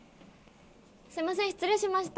すいません失礼しました。